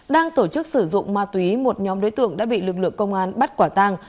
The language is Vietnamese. đang tổ chức sử dụng ma túy một nhóm đối tượng đã bị lực lượng công an bắt quả tang